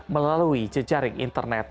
melalui jejaring internet